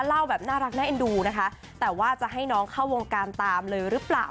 เล่าแบบน่ารักน่าเอ็นดูนะคะแต่ว่าจะให้น้องเข้าวงการตามเลยหรือเปล่า